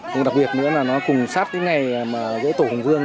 không đặc biệt nữa là nó cùng sát với ngày tổ hồng vương